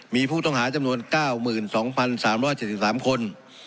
มีผู้ต้องหาจำนวน๙๒๓๗๓คน